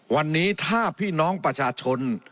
วันนี้ถ้าพี่น้องประชาชน